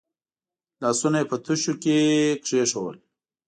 لاسونه یې په تشو کې کېښودل.